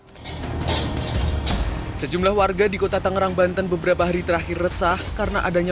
hai sejumlah warga di kota tangerang banten beberapa hari terakhir resah karena adanya